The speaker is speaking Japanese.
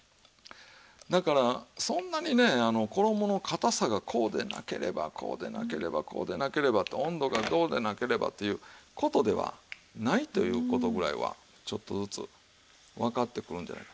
だからそんなにね衣の固さがこうでなければこうでなければこうでなければと温度がどうでなければという事ではないという事ぐらいはちょっとずつわかってくるんじゃないかと。